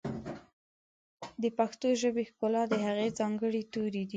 د پښتو ژبې ښکلا د هغې ځانګړي توري دي.